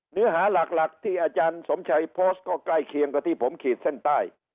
เนื้อหาหลักที่อาจารย์สมชัยโพสต์ก็ใกล้เคียงกับที่ผมขีดเส้นใต้